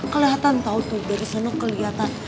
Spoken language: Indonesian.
kelihatan tau tuh dari sana kelihatan